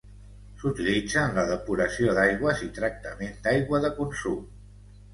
S'utilitza en la depuració d'aigües i tractament d'aigua de consum.